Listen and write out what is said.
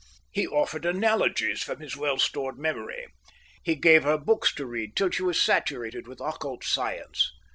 He offered analogies from his well stored memory. He gave her books to read till she was saturated with occult science.